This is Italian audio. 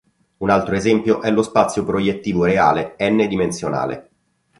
Un altro esempio è lo spazio proiettivo reale n-dimensionale.